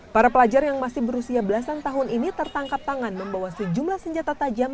para pelajar yang masih berusia belasan tahun ini tertangkap tangan membawa sejumlah senjata tajam